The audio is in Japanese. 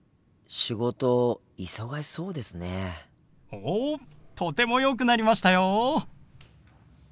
おとてもよくなりましたよ！